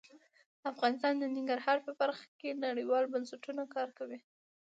افغانستان د ننګرهار په برخه کې نړیوالو بنسټونو سره کار کوي.